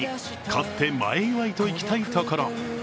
勝って前祝いといきたいところ。